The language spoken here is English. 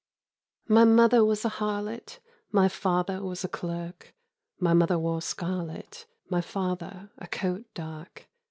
MY mother was a harlot, My father was a clerk ; My mother wore scarlet. My father a coat dark.